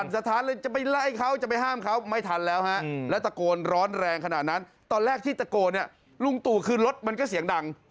ชายลูกมีของจริงมาโถโฮแรงอะนี่แรง